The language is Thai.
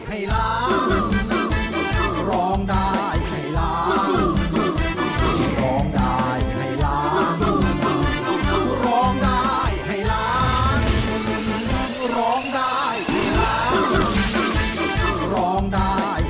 ไอล้าร้องได้ไอล้าร้องได้ไอล้า